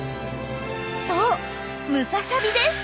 そうムササビです。